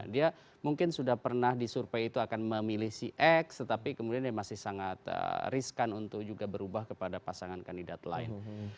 dia mungkin sudah pernah disurvey itu akan memilih si x tetapi kemudian dia masih sangat riskan untuk juga berubah kepada pasangan kandidat lain